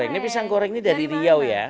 ini pisang goreng ini dari riau ya